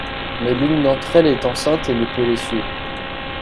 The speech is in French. Mais l’une d’entre elles est enceinte et ne peut les suivre.